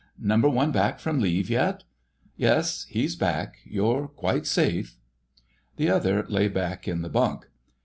Number One back from leave yet?" "Yes, he's back: you're quite safe." The other lay back in the bunk.